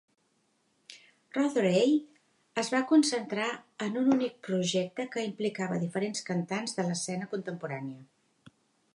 Rotheray es va concentrar en un únic projecte que implicava diferents cantants de l'escena contemporània.